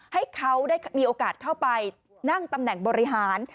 ให้เขาได้มีโอกาสเข้าไปนั่งตำแหน่งบริหาร